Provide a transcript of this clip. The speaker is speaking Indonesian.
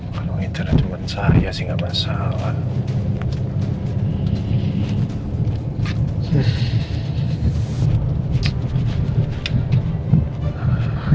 kalau ingin cari teman saya sih nggak masalah